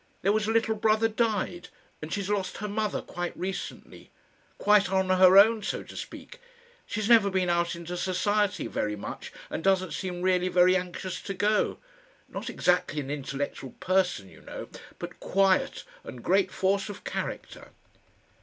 There was a little brother died, and she's lost her mother quite recently. Quite on her own, so to speak. She's never been out into society very much, and doesn't seem really very anxious to go.... Not exactly an intellectual person, you know, but quiet, and great force of character.